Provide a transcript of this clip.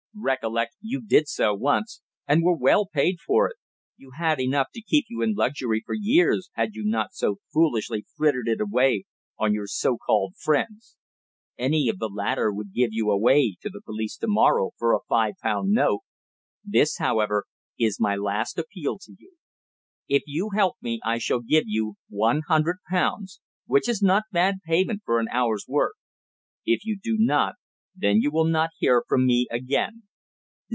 _"Recollect you did so once, and were well paid for it. You had enough to keep you in luxury for years had you not so foolishly frittered it away on your so called friends. Any of the latter would give you away to the police to morrow for a five pound note. This, however, is my last appeal to you. If you help me I shall give you one hundred pounds, which is not bad payment for an hour's work. If you do not, then you will not hear from me again.